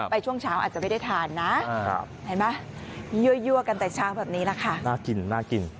ไปช่วงเช้าอาจจะไม่ได้ทานนะเยื่อกันแต่เช้าแบบนี้นะคะน่ากิน